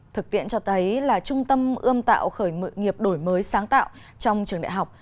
thực tiễn cho thấy là trung tâm ươm tạo khởi nghiệp đổi mới sáng tạo trong trường đại học